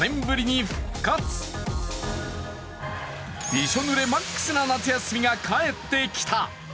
びしょぬれマックスな夏休みが帰ってきた。